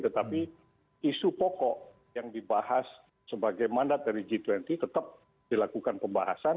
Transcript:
tetapi isu pokok yang dibahas sebagai mandat dari g dua puluh tetap dilakukan pembahasan